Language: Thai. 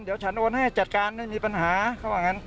เดี๋ยวฉันโอนให้จัดการไม่มีปัญหาเขาว่างั้น